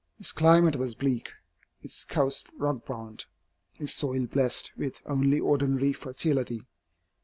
Its climate was bleak, its coast rockbound, its soil blest with only ordinary fertility.